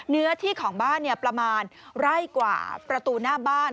เนื้อที่ของบ้านประมาณไร่กว่าประตูหน้าบ้าน